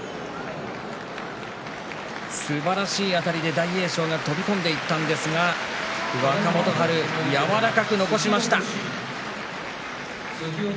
すばらしいあたりで大栄翔が飛び込んでいったんですが若元春、柔らかく残しました。